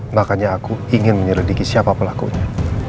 makanya aku ingin menyelidiki siapa pelakunya